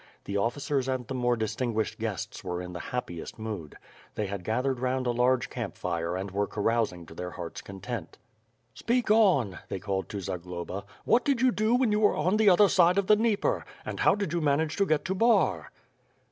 The officers and the more distinguished guests were in the happiest mood. They had gathered round a large camp fire and were carousing to their heart's content. "Speak on," they called to Zagloba, "What did you do when you were on the other side of the Dnieper? And how did you manage to get to Bar?"